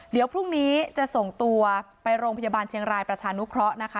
เดี๋ยวพรุ่งนี้จะส่งตัวไปโรงพยาบาลเชียงรายประชานุเคราะห์นะคะ